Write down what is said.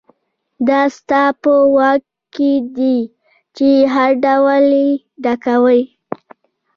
دا ستا په واک کې دي چې هر ډول یې ډکوئ.